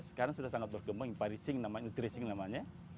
sekarang sudah sangat berkembang imparising namanya nutrising namanya